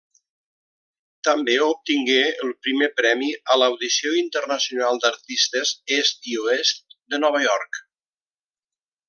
També obtingué el primer premi a l’Audició Internacional d’Artistes Est i Oest a Nova York.